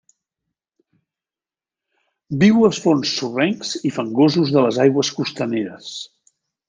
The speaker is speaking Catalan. Viu als fons sorrencs i fangosos de les aigües costaneres.